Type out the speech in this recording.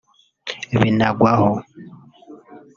Binagwaho